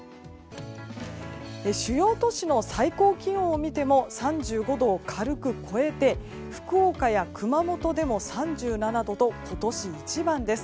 主要都市の最高気温を見ても３５度を軽く超えて福岡や熊本でも３７度と今年一番です。